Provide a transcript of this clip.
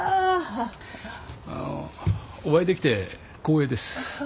お会いできて光栄です。